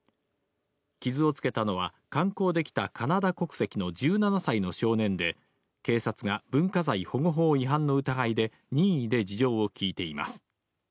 傷をつけたのは、観光で来たカナダ国籍の１７歳の少年で、警察が文化財保護法違反の疑いで任意で事情を聴いています。